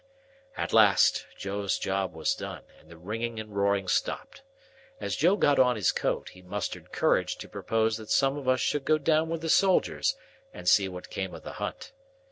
At last, Joe's job was done, and the ringing and roaring stopped. As Joe got on his coat, he mustered courage to propose that some of us should go down with the soldiers and see what came of the hunt.